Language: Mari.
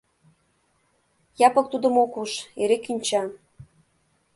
Япык тудым ок уж, эре кӱнча.